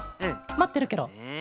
まってるケロ。